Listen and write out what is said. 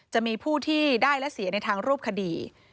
จะมีผู้ที่ได้และเสียในทางรูปคดี